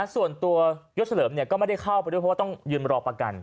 ส่วนตัวยศเฉลิมก็ไม่ได้เข้าไปด้วยเพราะว่าต้องยืนรอประกัน